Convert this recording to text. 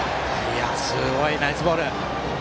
すごい。ナイスボール。